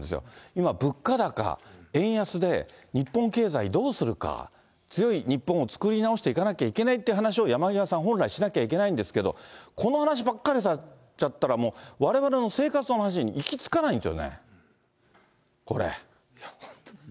今、物価高、円安で、日本経済どうするか、強い日本を作り直していかなきゃいけないっていう話を、山際さん、本来、しなきゃいけないんですけど、この話ばっかりされちゃったら、われわれの生活の話に行きつかないんですよね、これ。